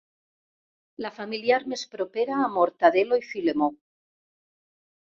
La familiar més propera a Mortadel·lo i Filemó.